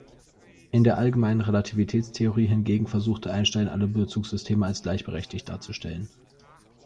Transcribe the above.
In der allgemeinen Relativitätstheorie hingegen versuchte Einstein, alle Bezugssysteme als gleichberechtigt darzustellen.